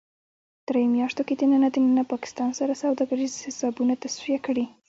دریو میاشتو کې دننه ـ دننه پاکستان سره سوداګریز حسابونه تصفیه کړئ